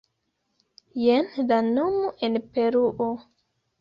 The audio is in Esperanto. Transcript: Jen la nomo en Peruo.